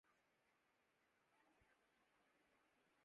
عملے پر حملہ کرنے کے بعد خاتون